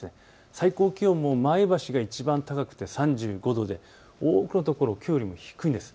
最高気温も前橋がいちばん高くて３５度で多くの所、きょうよりも低いんです。